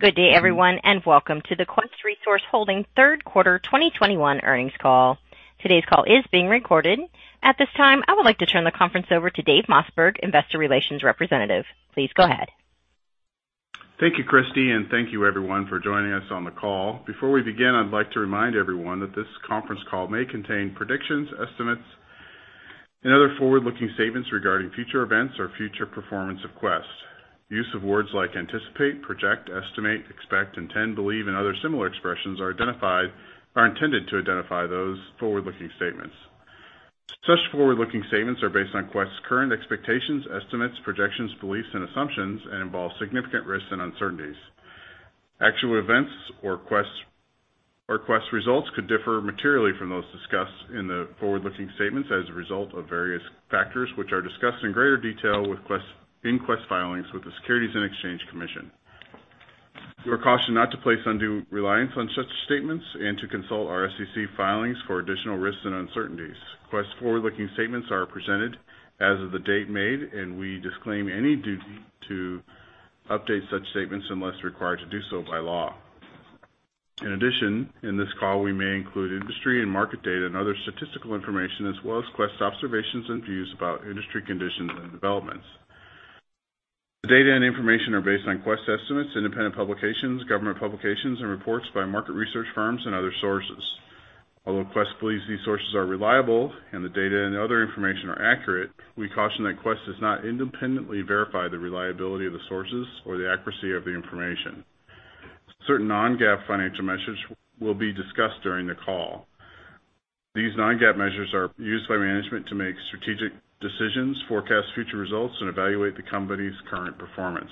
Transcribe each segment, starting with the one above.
Good day, everyone, and welcome to the Quest Resource Holding third quarter 2021 earnings call. Today's call is being recorded. At this time, I would like to turn the conference over to Dave Mossberg, Investor Relations representative. Please go ahead. Thank you, Christy, and thank you everyone for joining us on the call. Before we begin, I'd like to remind everyone that this conference call may contain predictions, estimates, and other forward-looking statements regarding future events or future performance of Quest. Use of words like anticipate, project, estimate, expect, intend, believe, and other similar expressions are intended to identify those forward-looking statements. Such forward-looking statements are based on Quest's current expectations, estimates, projections, beliefs, and assumptions, and involve significant risks and uncertainties. Actual events or Quest's results could differ materially from those discussed in the forward-looking statements as a result of various factors, which are discussed in greater detail in Quest filings with the Securities and Exchange Commission. You are cautioned not to place undue reliance on such statements and to consult our SEC filings for additional risks and uncertainties. Quest's forward-looking statements are presented as of the date made, and we disclaim any duty to update such statements unless we're required to do so by law. In addition, in this call, we may include industry and market data and other statistical information, as well as Quest's observations and views about industry conditions and developments. The data and information are based on Quest estimates, independent publications, government publications, and reports by market research firms and other sources. Although Quest believes these sources are reliable and the data and other information are accurate, we caution that Quest has not independently verified the reliability of the sources or the accuracy of the information. Certain non-GAAP financial measures will be discussed during the call. These non-GAAP measures are used by management to make strategic decisions, forecast future results, and evaluate the company's current performance.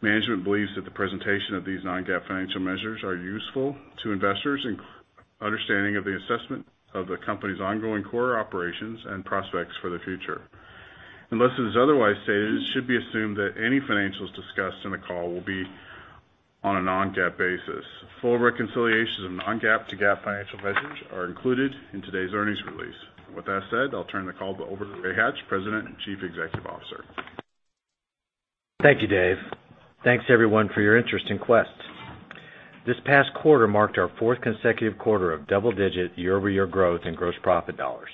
Management believes that the presentation of these non-GAAP financial measures are useful to investors in understanding of the assessment of the company's ongoing core operations and prospects for the future. Unless it is otherwise stated, it should be assumed that any financials discussed in the call will be on a non-GAAP basis. Full reconciliations of non-GAAP to GAAP financial measures are included in today's earnings release. With that said, I'll turn the call over to Ray Hatch, President and Chief Executive Officer. Thank you, Dave. Thanks, everyone, for your interest in Quest. This past quarter marked our fourth consecutive quarter of double-digit year-over-year growth in gross profit dollars.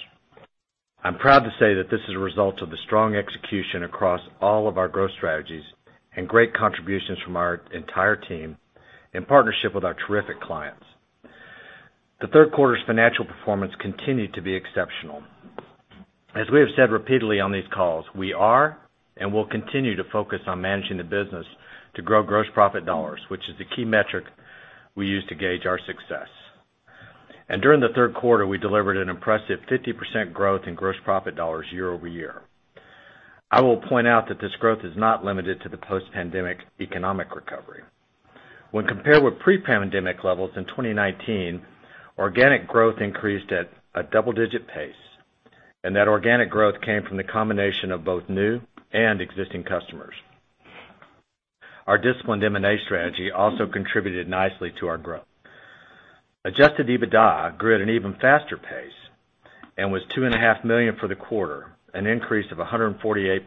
I'm proud to say that this is a result of the strong execution across all of our growth strategies and great contributions from our entire team in partnership with our terrific clients. The third quarter's financial performance continued to be exceptional. As we have said repeatedly on these calls, we are and will continue to focus on managing the business to grow gross profit dollars, which is the key metric we use to gauge our success. During the third quarter, we delivered an impressive 50% growth in gross profit dollars year-over-year. I will point out that this growth is not limited to the post-pandemic economic recovery. When compared with pre-pandemic levels in 2019, organic growth increased at a double-digit pace, and that organic growth came from the combination of both new and existing customers. Our disciplined M&A strategy also contributed nicely to our growth. Adjusted EBITDA grew at an even faster pace and was $2.5 million for the quarter, an increase of 148%.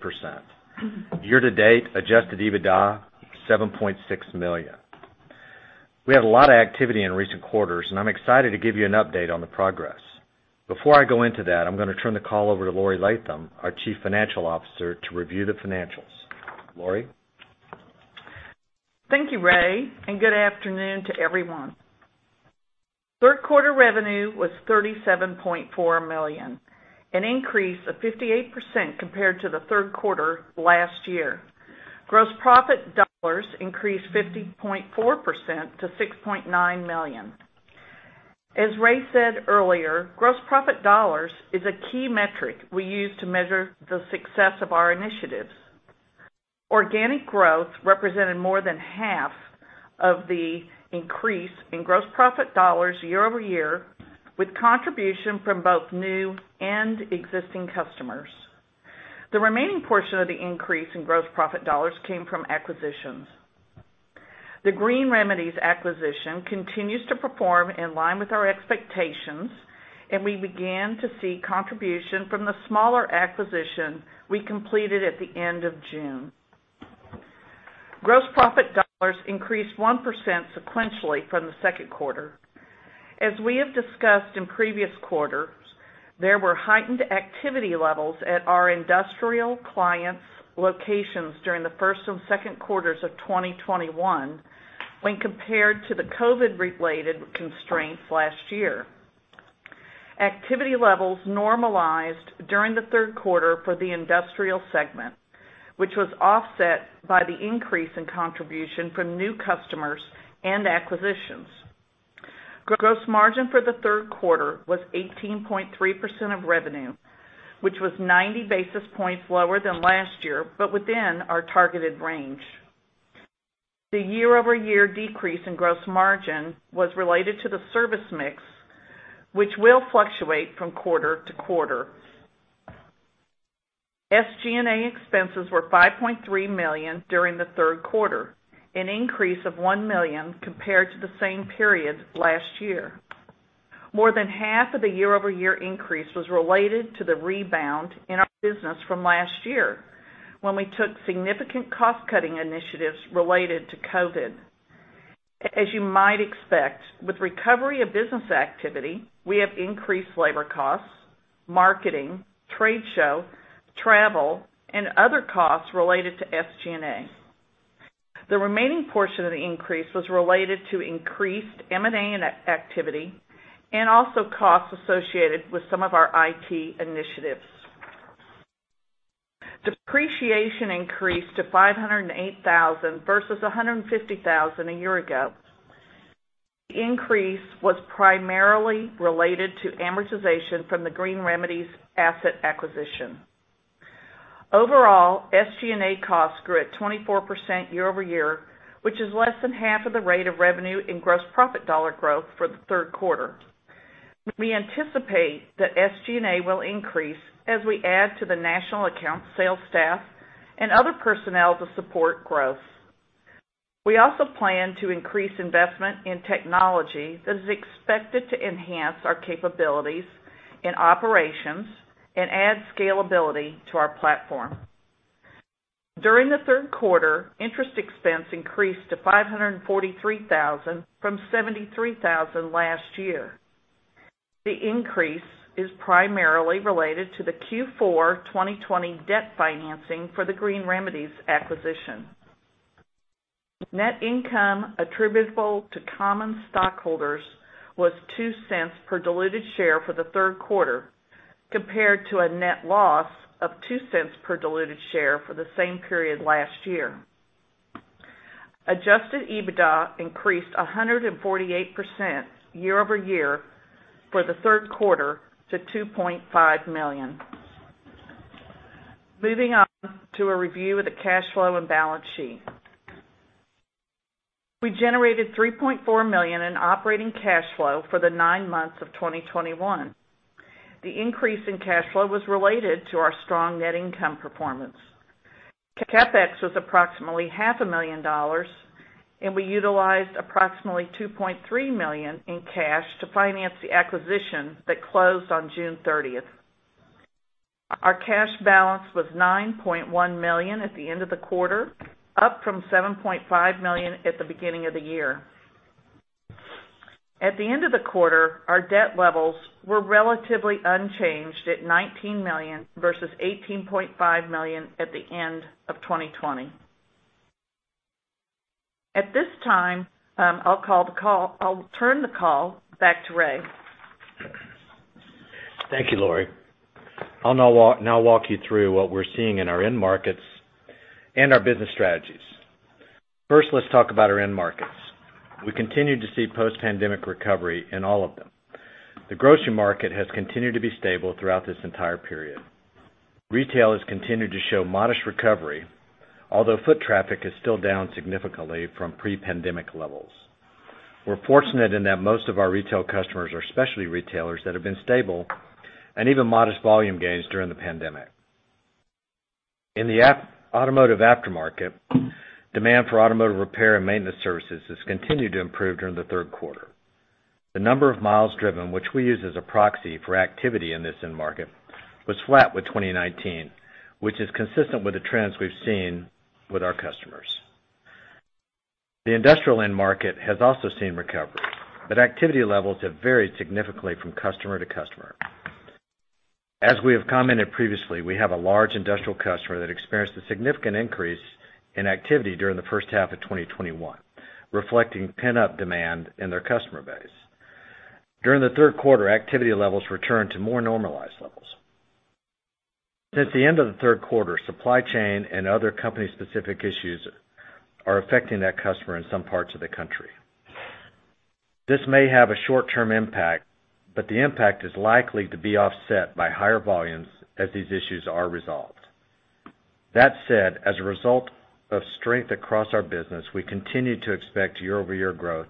Year-to-date adjusted EBITDA $7.6 million. We had a lot of activity in recent quarters, and I'm excited to give you an update on the progress. Before I go into that, I'm gonna turn the call over to Laurie Latham, our Chief Financial Officer, to review the financials. Laurie? Thank you, Ray, and good afternoon to everyone. Third quarter revenue was $37.4 million, an increase of 58% compared to the third quarter last year. Gross profit dollars increased 50.4% to $6.9 million. As Ray said earlier, gross profit dollars is a key metric we use to measure the success of our initiatives. Organic growth represented more than half of the increase in gross profit dollars year-over-year, with contribution from both new and existing customers. The remaining portion of the increase in gross profit dollars came from acquisitions. The Green Remedies acquisition continues to perform in line with our expectations, and we began to see contribution from the smaller acquisition we completed at the end of June. Gross profit dollars increased 1% sequentially from the second quarter. As we have discussed in previous quarters, there were heightened activity levels at our industrial clients' locations during the first and second quarters of 2021 when compared to the COVID-related constraints last year. Activity levels normalized during the third quarter for the industrial segment, which was offset by the increase in contribution from new customers and acquisitions. Gross margin for the third quarter was 18.3% of revenue, which was 90 basis points lower than last year, but within our targeted range. The year-over-year decrease in gross margin was related to the service mix, which will fluctuate from quarter to quarter. SG&A expenses were $5.3 million during the third quarter, an increase of $1 million compared to the same period last year. More than half of the year-over-year increase was related to the rebound in our business from last year, when we took significant cost-cutting initiatives related to COVID. As you might expect, with recovery of business activity, we have increased labor costs, marketing, trade show, travel, and other costs related to SG&A. The remaining portion of the increase was related to increased M&A and activity and also costs associated with some of our IT initiatives. Depreciation increased to $508,000 versus $150,000 a year ago. The increase was primarily related to amortization from the Green Remedies asset acquisition. Overall, SG&A costs grew at 24% year-over-year, which is less than half of the rate of revenue and gross profit dollar growth for the third quarter. We anticipate that SG&A will increase as we add to the national account sales staff and other personnel to support growth. We also plan to increase investment in technology that is expected to enhance our capabilities in operations and add scalability to our platform. During the third quarter, interest expense increased to $543,000 from $73,000 last year. The increase is primarily related to the Q4 2020 debt financing for the Green Remedies acquisition. Net income attributable to common stockholders was $0.02 per diluted share for the third quarter, compared to a net loss of $0.02 per diluted share for the same period last year. Adjusted EBITDA increased 148% year-over-year for the third quarter to $2.5 million. Moving on to a review of the cash flow and balance sheet. We generated $3.4 million in operating cash flow for the nine months of 2021. The increase in cash flow was related to our strong net income performance. CapEx was approximately half a million dollars, and we utilized approximately $2.3 million in cash to finance the acquisition that closed on June 30th. Our cash balance was $9.1 million at the end of the quarter, up from $7.5 million at the beginning of the year. At the end of the quarter, our debt levels were relatively unchanged at $19 million, versus $18.5 million at the end of 2020. At this time, I'll turn the call back to Ray. Thank you, Laurie. I'll now walk you through what we're seeing in our end markets and our business strategies. First, let's talk about our end markets. We continue to see post-pandemic recovery in all of them. The grocery market has continued to be stable throughout this entire period. Retail has continued to show modest recovery, although foot traffic is still down significantly from pre-pandemic levels. We're fortunate in that most of our retail customers are specialty retailers that have been stable and even modest volume gains during the pandemic. In the automotive aftermarket, demand for automotive repair and maintenance services has continued to improve during the third quarter. The number of miles driven, which we use as a proxy for activity in this end market, was flat with 2019, which is consistent with the trends we've seen with our customers. The industrial end market has also seen recovery, but activity levels have varied significantly from customer to customer. As we have commented previously, we have a large industrial customer that experienced a significant increase in activity during the first half of 2021, reflecting pent-up demand in their customer base. During the third quarter, activity levels returned to more normalized levels. Since the end of the third quarter, supply chain and other company-specific issues are affecting that customer in some parts of the country. This may have a short-term impact, but the impact is likely to be offset by higher volumes as these issues are resolved. That said, as a result of strength across our business, we continue to expect year-over-year growth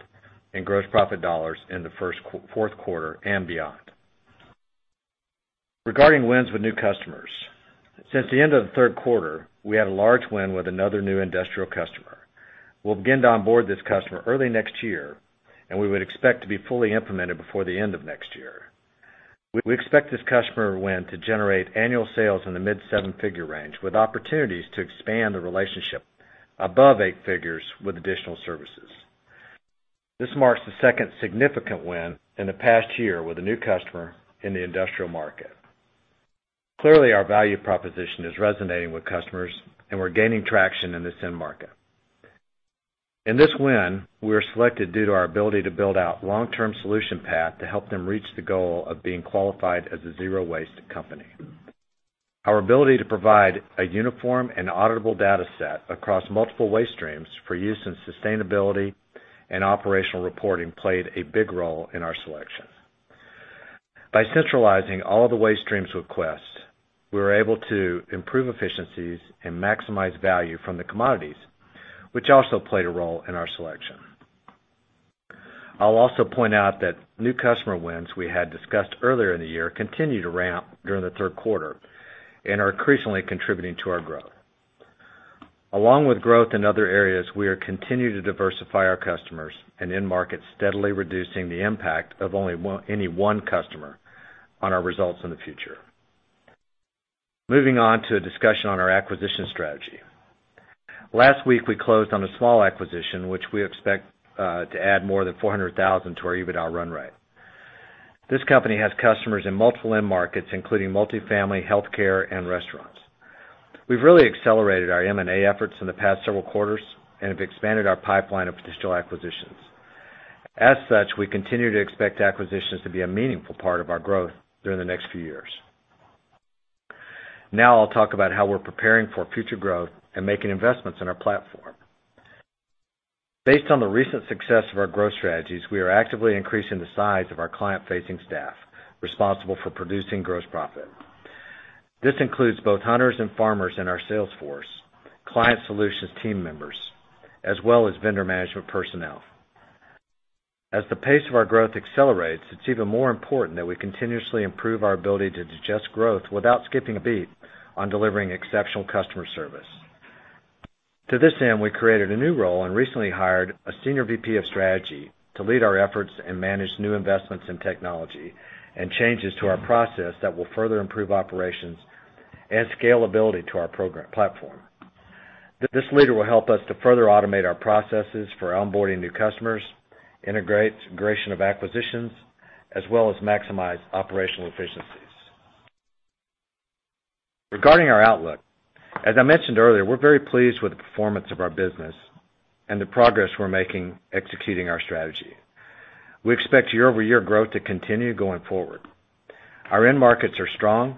in gross profit dollars in the fourth quarter and beyond. Regarding wins with new customers, since the end of the third quarter, we had a large win with another new industrial customer. We'll begin to onboard this customer early next year, and we would expect to be fully implemented before the end of next year. We expect this customer win to generate annual sales in the mid seven-figure range, with opportunities to expand the relationship above eight figures with additional services. This marks the second significant win in the past year with a new customer in the industrial market. Clearly, our value proposition is resonating with customers, and we're gaining traction in this end market. In this win, we were selected due to our ability to build out long-term solution path to help them reach the goal of being qualified as a zero-waste company. Our ability to provide a uniform and auditable data set across multiple waste streams for use in sustainability and operational reporting played a big role in our selection. By centralizing all of the waste streams with Quest, we were able to improve efficiencies and maximize value from the commodities, which also played a role in our selection. I'll also point out that new customer wins we had discussed earlier in the year continued to ramp during the third quarter and are increasingly contributing to our growth. Along with growth in other areas, we are continuing to diversify our customers and end markets, steadily reducing the impact of any one customer on our results in the future. Moving on to a discussion on our acquisition strategy. Last week, we closed on a small acquisition, which we expect to add more than $400,000 to our EBITDA run rate. This company has customers in multiple end markets, including multifamily, healthcare, and restaurants. We've really accelerated our M&A efforts in the past several quarters and have expanded our pipeline of potential acquisitions. As such, we continue to expect acquisitions to be a meaningful part of our growth during the next few years. Now I'll talk about how we're preparing for future growth and making investments in our platform. Based on the recent success of our growth strategies, we are actively increasing the size of our client-facing staff responsible for producing gross profit. This includes both hunters and farmers in our sales force, client solutions team members, as well as vendor management personnel. As the pace of our growth accelerates, it's even more important that we continuously improve our ability to digest growth without skipping a beat on delivering exceptional customer service. To this end, we created a new role and recently hired a Senior VP of Strategy to lead our efforts and manage new investments in technology and changes to our process that will further improve operations and scalability to our program platform. This leader will help us to further automate our processes for onboarding new customers, integration of acquisitions, as well as maximize operational efficiencies. Regarding our outlook, as I mentioned earlier, we're very pleased with the performance of our business and the progress we're making executing our strategy. We expect year-over-year growth to continue going forward. Our end markets are strong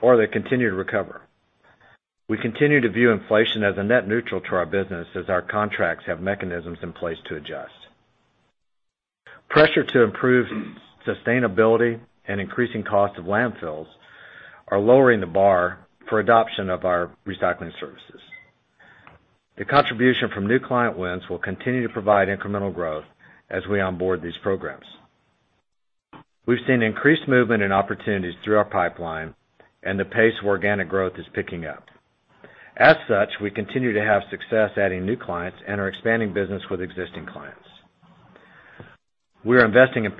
or they continue to recover. We continue to view inflation as a net neutral to our business, as our contracts have mechanisms in place to adjust. Pressure to improve sustainability and increasing cost of landfills are lowering the bar for adoption of our recycling services. The contribution from new client wins will continue to provide incremental growth as we onboard these programs. We've seen increased movement and opportunities through our pipeline and the pace of organic growth is picking up. As such, we continue to have success adding new clients and are expanding business with existing clients. We are investing in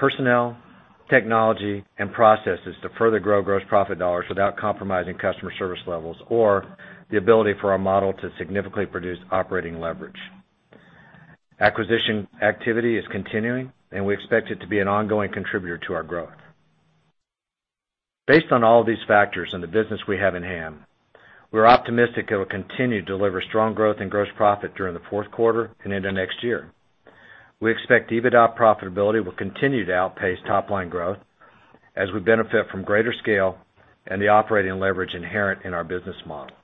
personnel, technology, and processes to further grow gross profit dollars without compromising customer service levels or the ability for our model to significantly produce operating leverage. Acquisition activity is continuing, and we expect it to be an ongoing contributor to our growth. Based on all of these factors and the business we have in hand, we're optimistic it will continue to deliver strong growth in gross profit during the fourth quarter and into next year. We expect EBITDA profitability will continue to outpace top line growth as we benefit from greater scale and the operating leverage inherent in our business model.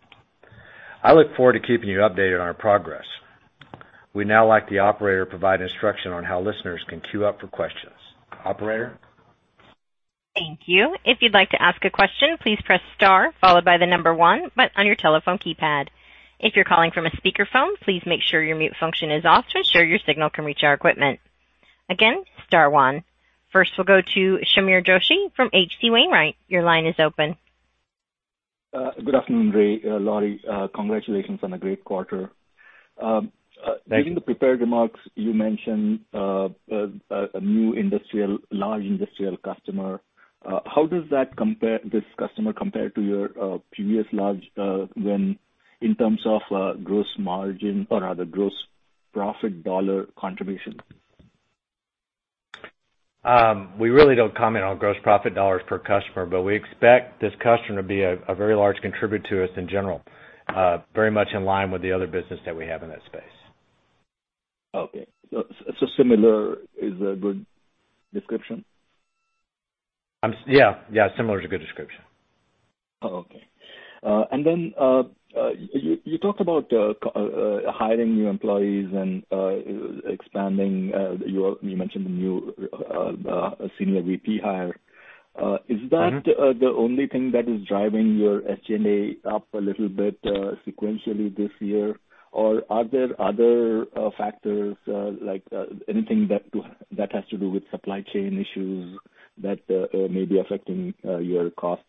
I look forward to keeping you updated on our progress. We'd now like the operator to provide instruction on how listeners can queue up for questions. Operator? Thank you. If you'd like to ask a question, please press star followed by the number one button on your telephone keypad. If you're calling from a speakerphone, please make sure your mute function is off to ensure your signal can reach our equipment. Again, star one. First we'll go to Sameer Joshi from H.C. Wainwright. Your line is open. Good afternoon, Ray, Laurie. Congratulations on a great quarter. Thank you. During the prepared remarks, you mentioned a new large industrial customer. How does this customer compare to your previous large win in terms of gross margin or rather gross profit dollar contribution? We really don't comment on gross profit dollars per customer, but we expect this customer to be a very large contributor to us in general, very much in line with the other business that we have in that space. Okay. Similar is a good description? Yeah, yeah, similar is a good description. Oh, okay. You talked about hiring new employees and expanding your. You mentioned a new Senior VP hire. Is that the only thing that is driving your SG&A up a little bit sequentially this year? Or are there other factors like anything that has to do with supply chain issues that may be affecting your costs?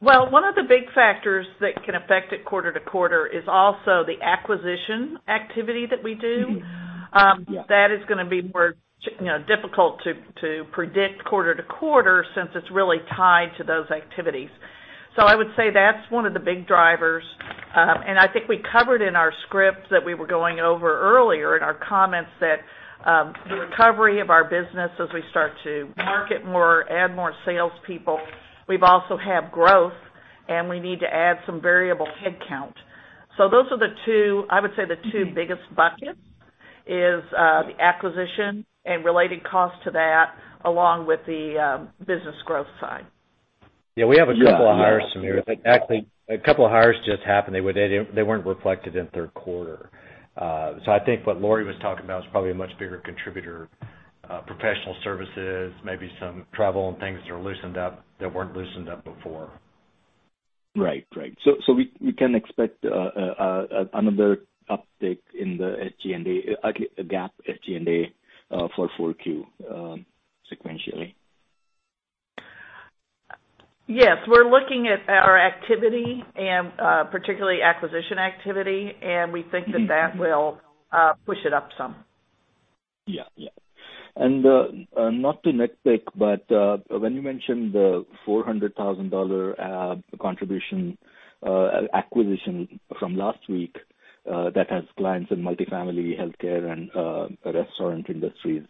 Well, one of the big factors that can affect it quarter to quarter is also the acquisition activity that we do. Yeah. That is gonna be more, you know, difficult to predict quarter to quarter since it's really tied to those activities. I would say that's one of the big drivers. I think we covered in our script that we were going over earlier in our comments that, the recovery of our business as we start to market more, add more salespeople, we've also had growth, and we need to add some variable headcount. Those are the two I would say the two biggest buckets, is, the acquisition and related costs to that along with the, business growth side. Yeah, we have a couple of hires, Sameer. Actually, a couple of hires just happened. They weren't reflected in third quarter. I think what Laurie was talking about was probably a much bigger contributor, professional services, maybe some travel and things that are loosened up that weren't loosened up before. Right. We can expect another uptick in the SG&A, GAAP SG&A, for 4Q sequentially? Yes, we're looking at our activity and particularly acquisition activity, and we think that will push it up some. Not to nitpick, but when you mentioned the $400,000 contribution acquisition from last week that has clients in multifamily, healthcare, and restaurant industries.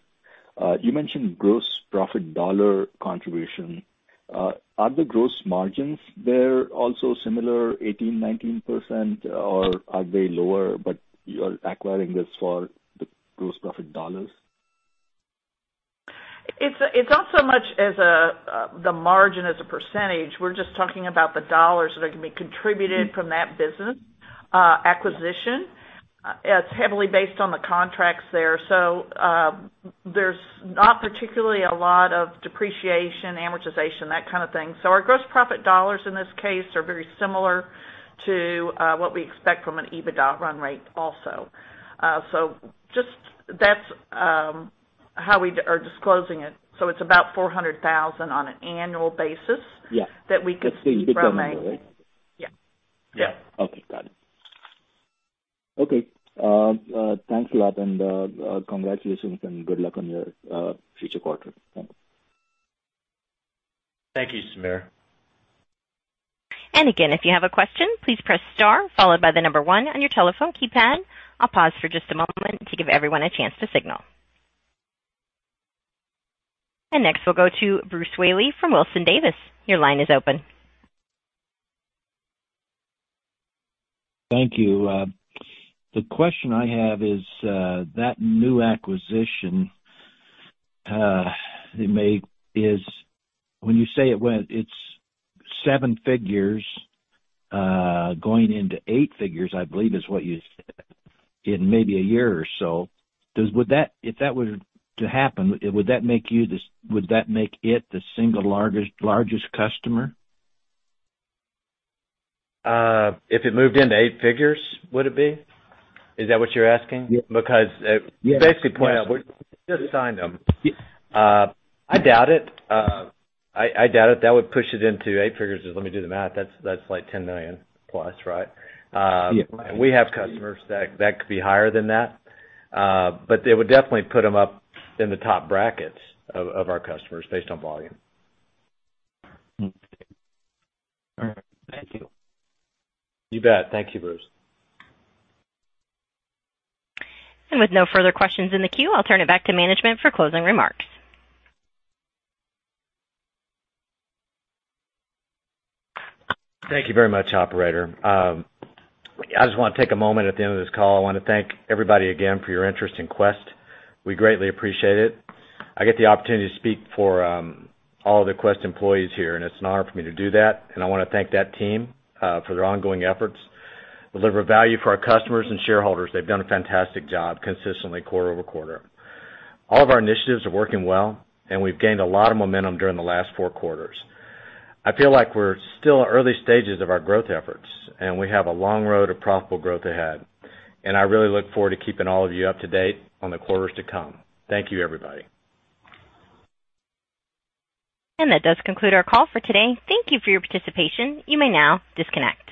You mentioned gross profit dollar contribution. Are the gross margins there also similar 18%-19% or are they lower, but you're acquiring this for the gross profit dollars? It's not so much the margin as a percentage. We're just talking about the dollars that are gonna be contributed from that business acquisition. It's heavily based on the contracts there. There's not particularly a lot of depreciation, amortization, that kind of thing. Our gross profit dollars in this case are very similar to what we expect from an EBITDA run rate also. That's how we are disclosing it. It's about $400,000 on an annual basis that we could-- Yeah. Yeah. Yeah. Okay. Got it. Okay. Thanks a lot and congratulations and good luck on your future quarters. Thank you. Thank you, Sameer. Again, if you have a question, please press star followed by the number one on your telephone keypad. I'll pause for just a moment to give everyone a chance to signal. Next we'll go to Bruce Whaley from Wilson-Davis. Your line is open. Thank you. The question I have is that new acquisition they made is when you say it went, it's seven figures going into eight figures, I believe, is what you said, in maybe a year or so. If that were to happen, would that make it the single largest customer? If it moved into eight figures, would it be? Is that what you're asking? Yeah. Because [you basically.] Yeah. We just signed them. I doubt it. That would push it into eight figures. Just let me do the math. That's like $10 million plus, right? Yeah. We have customers that could be higher than that. It would definitely put them up in the top brackets of our customers based on volume. Okay. All right. Thank you. You bet. Thank you, Bruce. With no further questions in the queue, I'll turn it back to management for closing remarks. Thank you very much, operator. I just wanna take a moment at the end of this call. I wanna thank everybody again for your interest in Quest. We greatly appreciate it. I get the opportunity to speak for all the Quest employees here, and it's an honor for me to do that, and I wanna thank that team for their ongoing efforts to deliver value for our customers and shareholders. They've done a fantastic job consistently quarter over quarter. All of our initiatives are working well, and we've gained a lot of momentum during the last four quarters. I feel like we're still early stages of our growth efforts, and we have a long road of profitable growth ahead. I really look forward to keeping all of you up to date on the quarters to come. Thank you, everybody. That does conclude our call for today. Thank you for your participation. You may now disconnect.